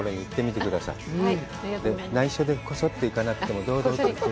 内緒でこそっと行かなくても。